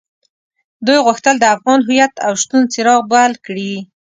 دوی غوښتل د افغان هويت او شتون څراغ بل کړي.